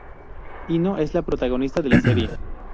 Hino es la protagonista de la serie.